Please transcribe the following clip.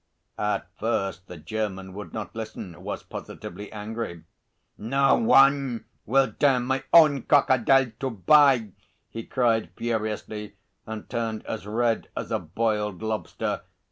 At first the German would not listen was positively angry. "No one will dare my own crocodile to buy!" he cried furiously, and turned as red as a boiled lobster.